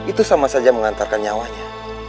itu sama saja mengantarkan nyawanya